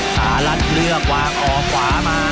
สหรัฐเลือกวางออกขวามา